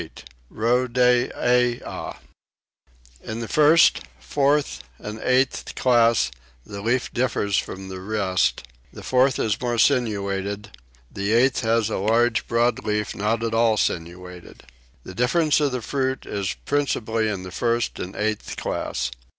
8. Rowdeeah. In the first, fourth, and eighth class the leaf differs from the rest; the fourth is more sinuated; the eighth has a large broad leaf not at all sinuated. The difference of the fruit is principally in the first and eighth class.